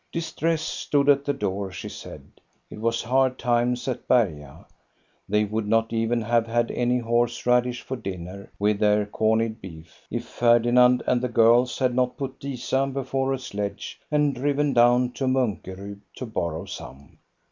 Distress stood at the door, she said ; it was hard times at Berga. They would not even have had any horse radish for dinner, with their corned beef, if Ferdinand and the girls had not put Disa before a sledge and driven down to Munkerud to borrow some.